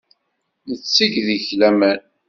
Netteg deg-k laman.